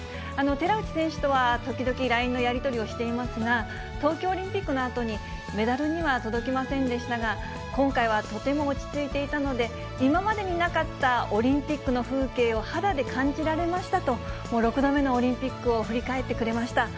寺内選手とは時々ＬＩＮＥのやり取りをしていますが、東京オリンピックのあとに、メダルには届きませんでしたが、今回はとても落ち着いていたので、今までになかったオリンピックの風景を肌で感じられましたと、６度目のオリンピックを振り返ってくれました。